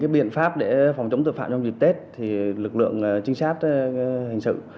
biện pháp để phòng chống tội phạm trong dịp tết thì lực lượng trinh sát hình sự